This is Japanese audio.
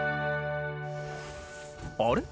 あれ？